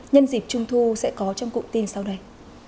nhân dịp trung thu sẽ có trong cụm tin sau đây